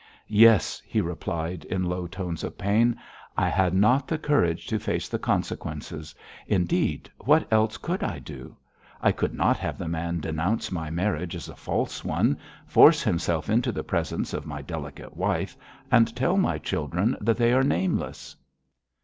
'Yes,' he replied, in low tones of pain, 'I had not the courage to face the consequences. Indeed, what else could I do? I could not have the man denounce my marriage as a false one, force himself into the presence of my delicate wife, and tell my children that they are nameless.